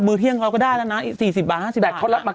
มือเที่ยงเราก็ได้แล้วนะอีกสี่สิบบาทห้าสิบบาทแต่เขารับมา